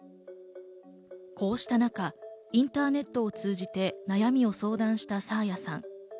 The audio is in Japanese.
こうした中、インターネットを通じて悩みを相談した爽彩さん。